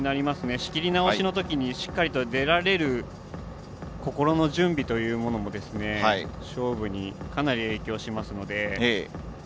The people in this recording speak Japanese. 仕切り直しのときにしっかりと出られる心の準備というものも勝負にかなり影響しますので。